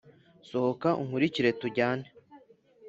sohoka unkurikire tujyane! '